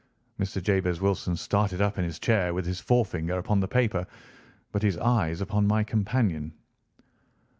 Mr. Jabez Wilson started up in his chair, with his forefinger upon the paper, but his eyes upon my companion.